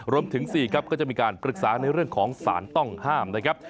รวมถึง๔ครับก็จะมีการปรึกษาในเรื่องของสารต้องห้ามนะครับ